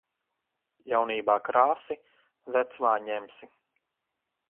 Jaunībā krāsi, vecumā ņemsi.